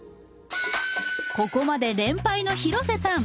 ここまで連敗の広瀬さん